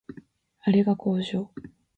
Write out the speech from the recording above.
あれが工場